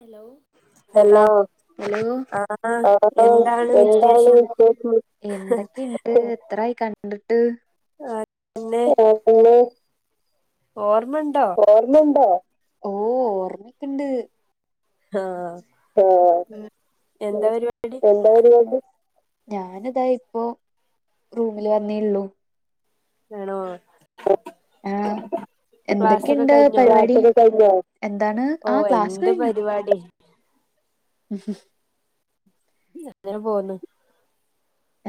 Hello hello hello ആഹ് എന്താണ് അവൗടപ്പോഎന്താണ് വിശേഷം വിശേഷം എന്തൊക്കെണ്ട് [unintelligible] എത്രായി കണ്ട്ട്ട് ആഹ് പിന്നെ [unintelligible] ഓർമ്മണ്ടോ ഓർമ്മണ്ടോ ഓ ഓർമ്മിക്കണ്ട് ഹാ എന്താ പരിവാടി ന്താ പരിവാടി! ഞാനിതാ ഇപ്പോ റൂമില് വന്നേള്ളൂ [unintelligible] ആഹ് ക്ലാസ്സൊക്കെ എന്തെക്കെണ്ട് കഴിഞ്ഞോ പരിവാടി ക്‌ളാസൊക്കെ കഴിഞ്ഞോ എന്താണ് ആ ഓഹ് ക്ലാസ്സ് എന്ത് കഴിഞ്ഞു. പരിപാടി അങ്ങനെപോവ്ന്ന്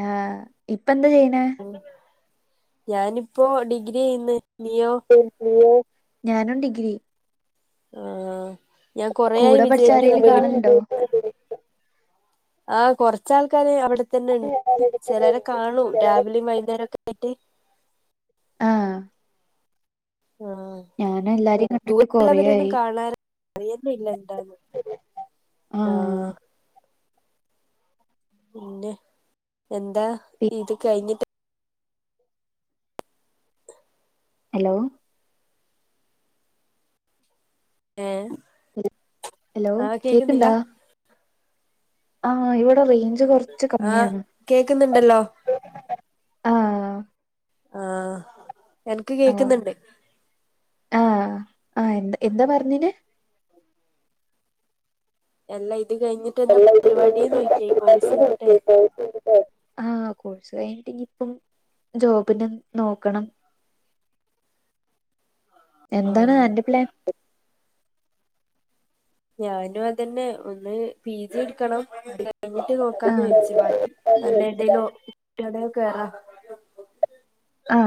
ആഹ് ഇപ്പന്താ ചെയ്യണേ? [inaudible] ഞാനിപ്പോ ഡിഗ്രിയെയ്യീന്ന് നീയോ ഞാനും ഡിഗ്രി ആഹ് ഞാൻ കൊറയായി കൂടെ പഠിച്ച വിചാരിക്കുന്നു ആരേലും വിളി കാണലുണ്ടോ ആ കൊർച്ചാൾക്കാര് അവിടെ ടതന്നെണ്ട് ചിലരെ കാണും രാവിലിം വൈന്നേരക്കായിട്ട് ആഹ് ആഹ് ഞാന് എല്ലാരിംകണ്ടിട്ട് ദൂരെള്ളവരൊന്നും കൊറയായി കാണാറ് അറിയുന്നില്ല എന്താന്ന് ആ ആഹ് പിന്നെ എന്താ പി ഇത് കഴിഞ്ഞിട്ട് ഹലോ ഏ ഹലോ കേക്ക്ണ്ടാ ആഹ് ഇവിടെ റൈഞ്ച്കൊറച്ച് ആഹ് കമ്മിയാണ് കേക്കുന്നുണ്ടല്ലോ കേക്കുന്നുണ്ടോ ആഹ് ആഹ എനക്ക് കേക്കുന്നുണ്ട് ആഹ ആഹ എന്ത എന്താ പറഞ്ഞന് എല്ലാ ഇത് കഴിഞ്ഞിട്ട് എന്താ പരിപാടിയ നോക്കിയായി കോഴസ് കഴിഞ്ഞിട്ടേ ആഹ കോഴ്സ് കഴിഞ്ഞിട്ട് ഇനിയിപ്പം ജോബിന നോക്കണം എന്താണ് ആഹ് അന്റെ പ്ലാൻ ഞാനും അതന്നെ ഒന്ന് പീ ജി എടുക്കണം ഇ കഴിഞ്ഞിട്ട് നോക്കാന്ന് ആഹ് വെച്ചു ബാക്കി നല്ല എന്തേലും കിട്ടാണെകിൽ കേയറാ ആ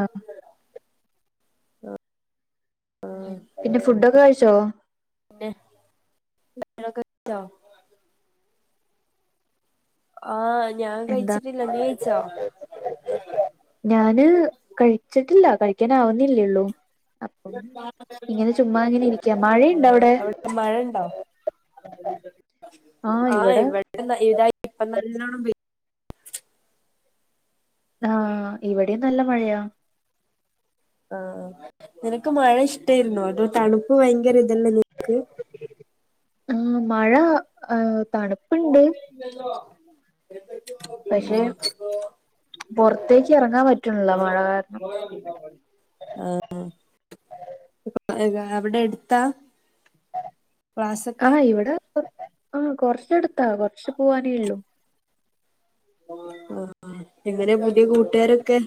പിന്നെ ഫുഡൊക്കെ കഴിച്ചോ പി ക [unintelligible] ആഹ ഞാൻ എന്താ കഴിച്ചികില്ല നീ കഴിച്ചോ ഞാന് കഴിച്ചിട്ടില്ല കഴിക്കാനാവുന്നില്ലേള്ളൂ അപ്പം ഇങ്ങനെ ചുമ്മാ അങ്ങനെ ഇരിക്ക മഴയുണ്ട ആഹ് അവിടെ മഴ ഇണ്ടോ ആഹ് ഇവിടെ ഇത ഇപ്പ നല്ലോണം പെ ആഹ് ഇവിടെയും നല്ല മഴയാ ആഹ നിനക്ക് മഴ ഇഷ്ടായിരുന്നു അത തണുപ്പ് ഭയങ്കര ഇതല്ലത് ആ മഴ ആഹ തണുപ്പ് ല്ല [unintelligible] പക്ഷേ പുറത്തേക്ക് ഇറങ്ങാൻ പറ്റണ്ണി ല്ല മഴ കാരണം ആ [unintelligible] ആഹ അവിടെ എടുത്താ ക്ലാസ്സൊക്കെ ആഹ ഇവിടെ ആ കൊറച്ചെടുത്താ കുറച്ച് പോവാനേ ഉള്ളൂ ആ എങ്ങനെ പുതിയ കൂട്ടുകാരൊക്കെ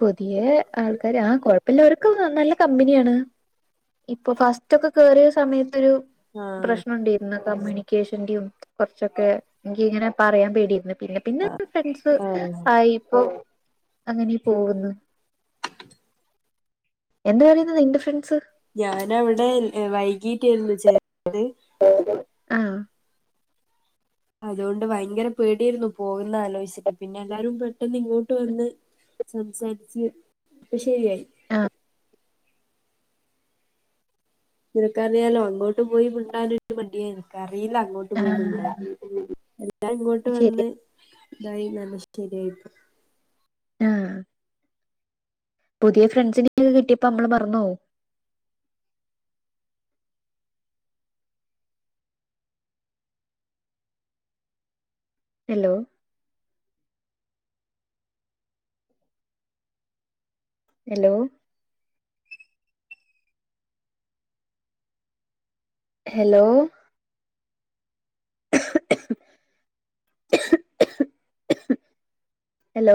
പുതിയ ആൾക്കാര് ആ കൊഴപ്പില്ല അവർ നല്ല കമ്പനിയാണ് ഇപ്പൊ ഫസ്റ്റ്ൊക്കെ കേറിയ സമയത്തൊരു ആ പ്രശ്നംുണ്ടായിന്ന് കമ്മ്യൂണിക്കേഷന്റെയും കുറച്ചൊക്കെ എനി ഇങ്ങനെ പറയാൻ പേടിന്ന് പിന്നെ പിന്നെപ്പം ഫ്രണ്ട്സ് ആ ആയിപ്പോ അങ്ങനെ പോകുന്നു എന്താ പറയുന്നത് നിന്റെ ഫ്രൻസ് ഞാനവിടെ വൈകീട്ടായിരുന്നു ചേ അതെ ആഹ അതുകൊണ്ട് ഭയങ്കര പേടിരുന്നു പോകന്ന ആലോചിച്ചിട്ട് പിന്നെ എല്ലാരും പെട്ടെന്ന് ഇങ്ങോട്ട് വന്ന് സംസാരിച്ച് ഇപ്പൊ ശരിയായി ആഹ നിനക്കറിയാലോ അങ്ങോട്ട് പോയി മി ണ്ടട്ടാനൊരു മടി ആയിരുന്നു നിനക്ക അറിയില്ല അങ്ങോ പോണ്ട ആഹ് എല്ലാം ഇങ്ങോട്ട് ശരി വന്ന് ഇതായി നല്ല ശരിയായിപ്പോ ആഹ പുതിയ ഫ്രണ്ട്സിനൊക്കെ കിട്ടിയപ്പോ നമ്മള് മറന്നോ ഹലോ ഹലോ ഹലോ ഹലോ